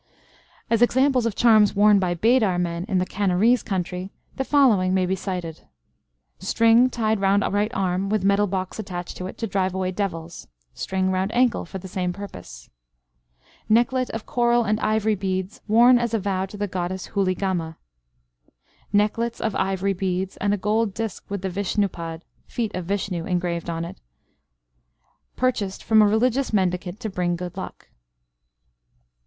As examples of charms worn by Bedar men in the Canarese country, the following may be cited: String tied round right arm with metal box attached to it, to drive away devils. String round ankle for the same purpose. Necklet of coral and ivory beads worn as a vow to the goddess Huligamma. Necklets of ivory beads, and a gold disc with the Vishnupad (feet of Vishnu) engraved on it, purchased from a religious mendicant to bring good luck.